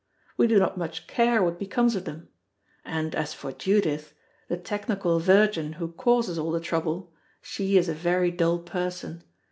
We do not much care what becomes of them. And as for Judith, the technical virgin who causes all the trouble, she is a very dull person.